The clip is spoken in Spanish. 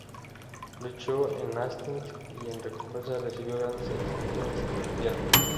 Luchó en Hastings, y en recompensa recibió grandes extensiones de tierra.